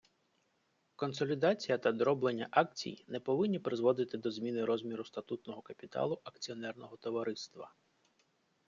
Консолідація та дроблення акцій не повинні призводити до зміни розміру статутного капіталу акціонерного товариства.